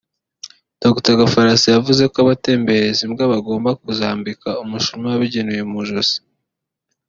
Dr Gafarasi yavuze ko abatembereza imbwa bagomba kuzambika umushumi wabugenewe mu ijozi